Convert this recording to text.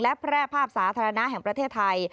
และแพร่ภาพสาธารณะแห่งประเทศไทย